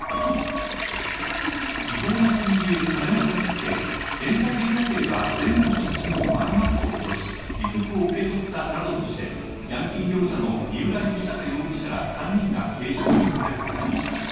違法な金利で金を貸し付け、返済できなければ、全裸の写真をばらまくと脅し、利息を受け取ったなどとして、闇金業者の三浦義隆容疑者ら３人が警視庁に逮捕されました。